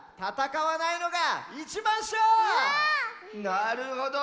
なるほど！